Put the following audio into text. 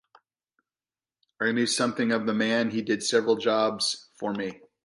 I knew something of the man, and he did several jobs for me.